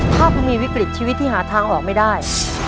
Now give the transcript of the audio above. ถ้าคุณมีวิกฤตชีวิตที่หาทางออกไม่ได้